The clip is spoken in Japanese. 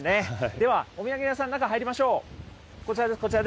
ではお土産屋さん、中入りましょう。